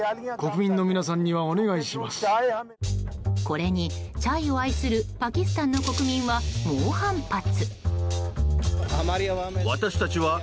これに、チャイを愛するパキスタンの国民は猛反発。